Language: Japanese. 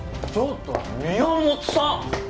ちょっと宮本さん！